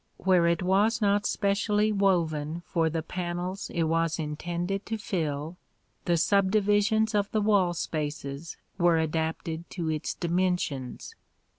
Where it was not specially woven for the panels it was intended to fill, the subdivisions of the wall spaces were adapted to its dimensions.